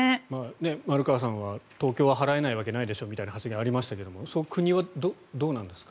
丸川さんが、東京が払えないわけないでしょという発言がありましたが国はどうなんですか？